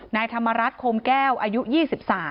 นายธรรมรัฐโคมแก้วอายุ๒๓